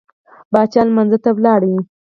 پاچا لمانځه ته ولاړل.